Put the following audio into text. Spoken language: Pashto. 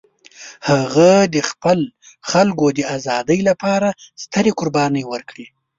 هغه د خپل خلکو د ازادۍ لپاره سترې قربانۍ ورکړې.